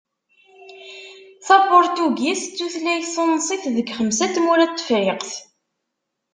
Tapurtugit d tutlayt tunṣibt deg xemsa n tmura n Tefriqt.